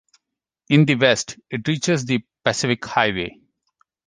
In the west it reaches the Pacific Highway.